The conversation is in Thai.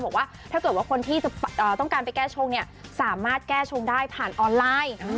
บอกว่าถ้าเกิดว่าคนที่ต้องการไปแก้ชงเนี่ยสามารถแก้ชงได้ผ่านออนไลน์